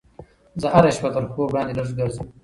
زه هره شپه تر خوب وړاندې لږ ګرځم.